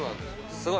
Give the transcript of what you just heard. すごい。